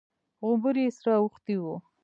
غومبري يې سره اوښتي وو.